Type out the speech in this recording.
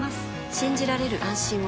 信じられる、安心を。